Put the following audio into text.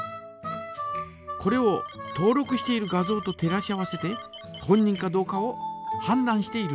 これを登録している画像と照らし合わせて本人かどうかをはんだんしているんです。